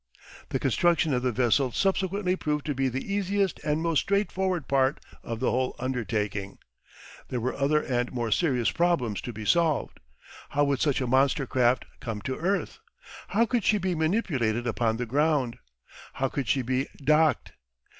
The construction of the vessel subsequently proved to be the easiest and most straightforward part of the whole undertaking. There were other and more serious problems to be solved. How would such a monster craft come to earth? How could she be manipulated upon the ground? How could she be docked?